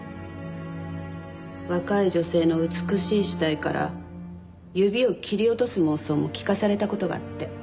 若い女性の美しい死体から指を切り落とす妄想も聞かされた事があって。